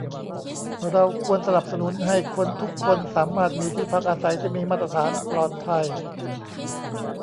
เราควรสนับสนุนให้คนทุกคนสามารถมีที่พักอาศัยที่มีมาตรฐาน ปลอดภัย